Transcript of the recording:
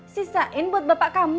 sisain buat bapak kamu